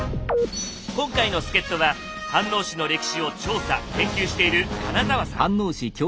今回の助っ人は飯能市の歴史を調査・研究している金澤さん